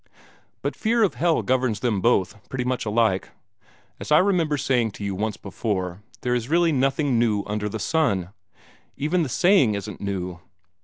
But fear of hell governs them both, pretty much alike. As I remember saying to you once before, there is really nothing new under the sun. Even the saying isn't new.